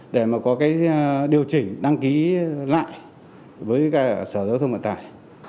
để mà có cái điều chỉnh đăng ký lại với sở giao thông vận tải